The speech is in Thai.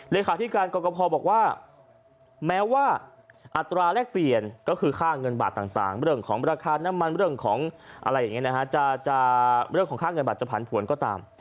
เลขาที่การกรกภพบอกว่าแม้ว่าอัตราแลกเปลี่ยนก็คือค่าเงินบาทต่างไม่เรื่องของบริษัทน้ำมันไม่เรื่องของข้างเงินบาทจะผลันผวนก็ตาม